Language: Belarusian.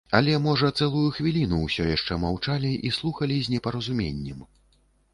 Але, можа, цэлую хвіліну ўсе яшчэ маўчалі і слухалі з непаразуменнем.